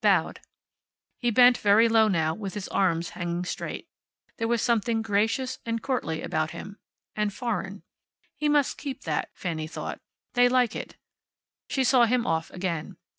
Bowed. He bent very low now, with his arms hanging straight. There was something gracious and courtly about him. And foreign. He must keep that, Fanny thought. They like it. She saw him off again.